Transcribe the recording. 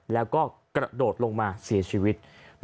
แล้วก็กระโดดลงมาเสียชีวิต